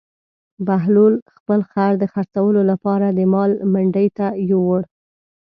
بهلول خپل خر د خرڅولو لپاره د مال منډي ته یووړ.